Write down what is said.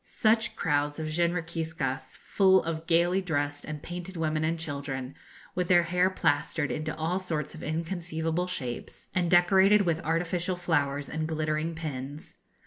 Such crowds of jinrikiskas, full of gaily dressed and painted women and children, with their hair plastered into all sorts of inconceivable shapes, and decorated with artificial flowers and glittering pins!